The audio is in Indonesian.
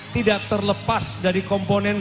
tidak terlepas dari komponen